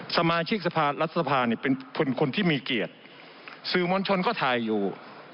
สมาชิกสภารัฐสภาเนี่ยเป็นคนที่มีเกียรติสื่อมวลชนก็ถ่ายอยู่